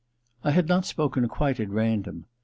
' I had not spoken quite at random.